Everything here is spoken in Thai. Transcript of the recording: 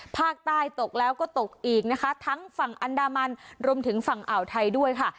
ภาคใต้ตกแล้วก็ตกอีกนะคะทั้งฝั่งอันดามันรวมถึงฝั่งอ่าวไทยด้วยค่ะ